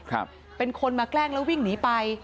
ครับเป็นคนมาแกล้งแล้ววิ่งหนีไป